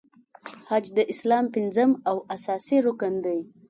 حج د اسلام پنځم او اساسې رکن دی .